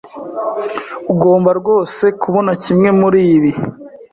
Ugomba rwose kubona kimwe muribi.